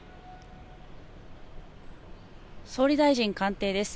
総理大臣官邸です。